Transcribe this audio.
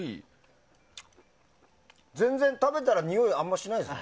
全然食べたらにおいあんまりしないです。